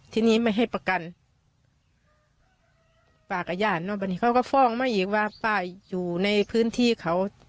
ทีนี้ไม่ให้ประกันป้ากับญาติเนอะวันนี้เขาก็ฟ้องมาอีกว่าป้าอยู่ในพื้นที่เขา